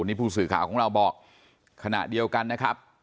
นี่ผู้สื่อข่าวของเราบอกขณะเดียวกันนะครับ